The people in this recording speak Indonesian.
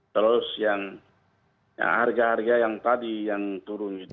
terus yang harga harga yang tadi yang turun itu